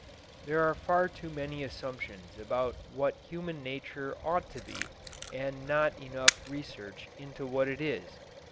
There are far too many assumptions about what human nature ought to be and not enough research into what it is.